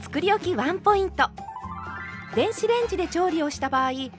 ワンポイント。